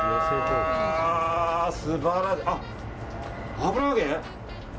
油揚げ？